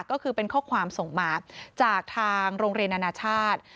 ก็คือเป็นข้อความส่งมาจากทางโรงเรียนนานาชาติ